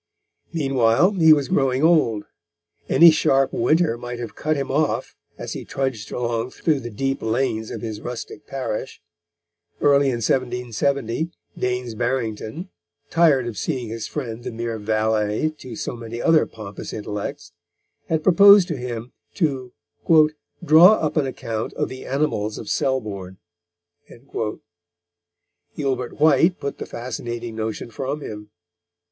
Meanwhile, he was growing old. Any sharp winter might have cut him off, as he trudged along through the deep lanes of his rustic parish. Early in 1770 Daines Barrington, tired of seeing his friend the mere valet to so many other pompous intellects, had proposed to him to "draw up an account of the animals of Selborne." Gilbert White put the fascinating notion from him.